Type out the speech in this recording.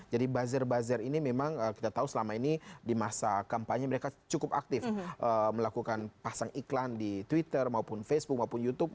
jadi buzzer buzzer ini memang kita tahu selama ini di masa kampanye mereka cukup aktif melakukan pasang iklan di twitter maupun facebook maupun youtube